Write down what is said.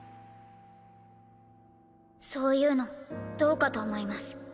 そういうのどうかと思います。